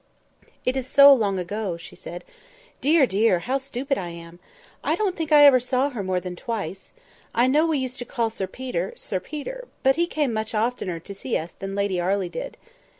"It is so long ago," she said. "Dear! dear! how stupid I am! I don't think I ever saw her more than twice. I know we used to call Sir Peter, 'Sir Peter'—but he came much oftener to see us than Lady Arley did.